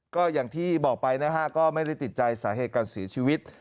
ก็อย่างที่บอกไปนะฮะก็ไม่ได้ติดใจสาเหตุการเสียชีวิต